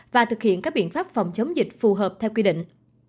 và thực hiện các biện pháp phòng chống dịch phù hợp theo quy định